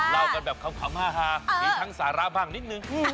ลาวละแหลปคำขำฮาคำศาระบ้างนิดนึง